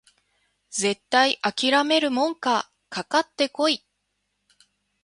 絶対あきらめるもんかかかってこい！